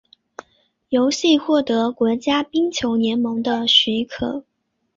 游戏获得国家冰球联盟的许可。